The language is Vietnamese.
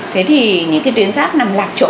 thế thì những cái tuyến giáp nằm lạc chỗ